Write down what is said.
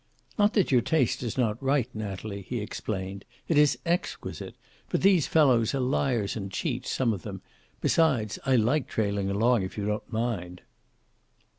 "Not that your taste is not right, Natalie," he explained. "It is exquisite. But these fellows are liars and cheats, some of them. Besides, I like trailing along, if you don't mind."